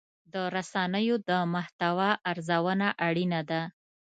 د رسنیو د محتوا ارزونه اړینه ده.